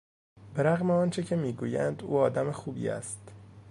به رغم آنچه که میگویند او آدم خوبی است.